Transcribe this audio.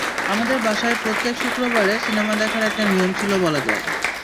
আমাদের বাসায় প্রত্যেক শুক্রবারে সিনেমা দেখার একটা নিয়ম ছিল বলা যায়।